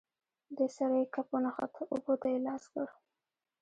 دې سره یې کپ ونښت، اوبو ته یې لاس کړ.